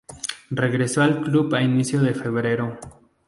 Regresó al club a inicio de febrero.